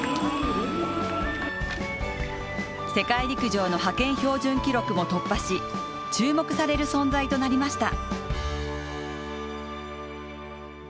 世界陸上の派遣標準記録も突破し注目される存在となりました。